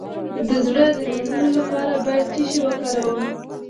د زړه د مینځلو لپاره باید څه شی وکاروم؟